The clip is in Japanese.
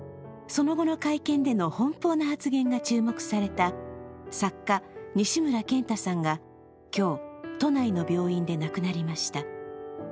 その後の会見での奔放な発言が注目された作家・西村賢太さんが今日、都内の病院で亡くなりました。